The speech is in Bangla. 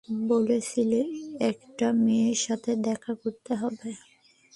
বলছিল, একটা মেয়ের সাথে দেখা করতে যাবে।